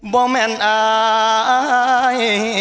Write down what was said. บ่อแม่นอ้าย